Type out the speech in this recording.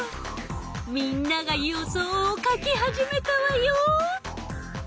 みんなが予想を書き始めたわよ！